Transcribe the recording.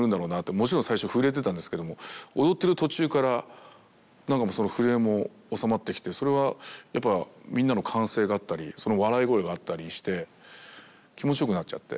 もちろん最初震えてたんですけども踊ってる途中からその震えも収まってきてそれはやっぱみんなの歓声があったりその笑い声があったりして気持ちよくなっちゃって。